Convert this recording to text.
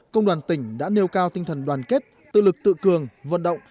công đoàn tỉnh đã nêu cao tinh thần đoàn kết tự lực tự cường vận động